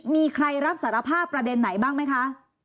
มีใครรับสารภาพประเด็นไหนบ้างไหมคะ